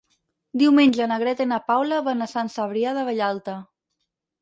Diumenge na Greta i na Paula van a Sant Cebrià de Vallalta.